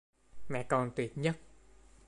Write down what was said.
Mẹ con tuyệt nhất